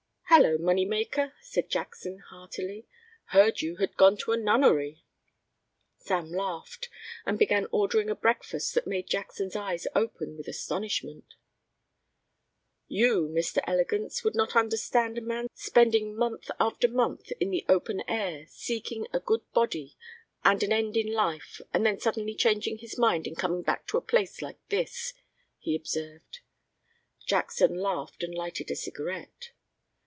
"Hello, Moneymaker," said Jackson, heartily. "Heard you had gone to a nunnery." Sam laughed and began ordering a breakfast that made Jackson's eyes open with astonishment. "You, Mr. Elegance, would not understand a man's spending month after month in the open air seeking a good body and an end in life and then suddenly changing his mind and coming back to a place like this," he observed. Jackson laughed and lighted a cigarette.